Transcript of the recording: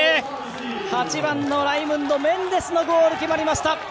８番、ライムンド・メンデスのゴールが決まりました。